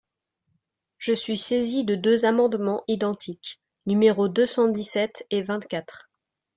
Je suis saisie de deux amendements identiques, numéros deux cent dix-sept et vingt-quatre.